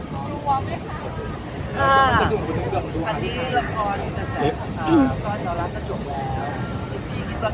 ต้อนรับคุณครับ